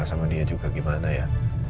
sama dia juga gimana ya